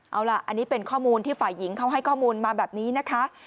เอาล่ะอันนี้เป็นข้อมูลที่ฝ่ายหญิงเขาให้ข้อมูลมาแบบนี้นะคะ